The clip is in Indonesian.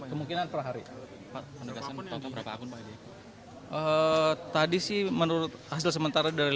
kemungkinan perhari pak menegakkan berapa akun pak tadi sih menurut hasil sementara dari